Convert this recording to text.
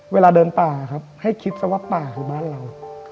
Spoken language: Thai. เวลาเดินป่าครับให้คิดซะว่าป่าคือบ้านเรา